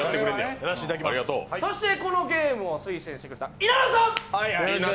そしてこのゲームを推薦してくれた稲田君。